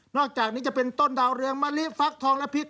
อกจากนี้จะเป็นต้นดาวเรืองมะลิฟักทองและพิษ